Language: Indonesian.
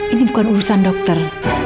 ini bukan urusan dokter